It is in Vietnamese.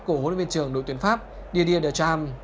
của hội viên trưởng đội tuyển pháp didier decham